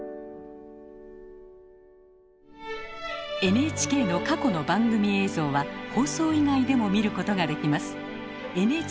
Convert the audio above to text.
ＮＨＫの過去の番組映像は放送以外でも見ることができます